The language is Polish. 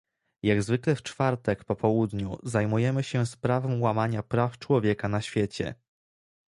Jak zwykle w czwartek popołudniu zajmujemy się sprawą łamania praw człowieka na świecie